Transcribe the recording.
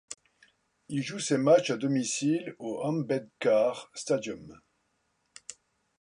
Il joue ses matchs à domicile au Ambedkar Stadium.